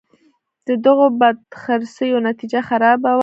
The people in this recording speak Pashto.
د دغو بدخرڅیو نتیجه خرابه وه.